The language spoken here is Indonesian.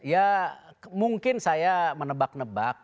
ya mungkin saya menebak nebak